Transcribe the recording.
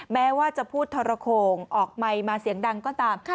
แม้ว่าจะพูดทรโขงออกไมค์มาเสียงดังก็ตาม